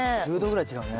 １０℃ぐらい違うね。